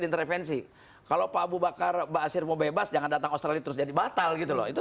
intervensi kalau pak abu bakar basir mau bebas jangan datang australia terus jadi batal gitu loh itu